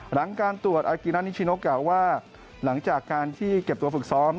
หลังการตรวจอากิน่านิชิโนกล่าวว่าหลังจากการที่เก็บตัวฝึกซ้อม